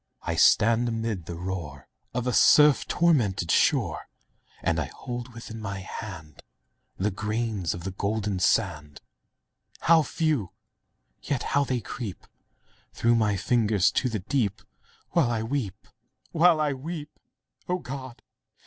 I stand amid the roar Of a surf tormented shore, And I hold within my hand Grains of the golden sand— How few! yet how they creep Through my fingers to the deep, While I weep—while I weep! O God!